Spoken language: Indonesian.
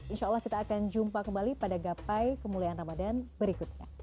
insya allah kita akan jumpa kembali pada gapai kemuliaan ramadhan berikutnya